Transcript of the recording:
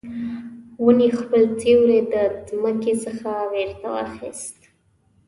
ونې خپل سیوری د مځکې څخه بیرته واخیست